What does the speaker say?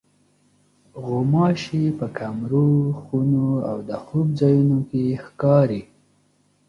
غوماشې په کمرو، خونو او د خوب ځایونو کې ښکاري.